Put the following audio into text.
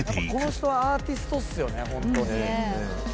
この人はアーティストっすよねホントに。